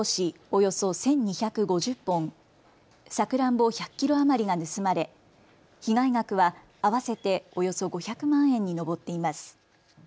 およそ１２５０本、さくらんぼ１００キロ余りが盗まれ被害額は合わせておよそ５００万円に上っています。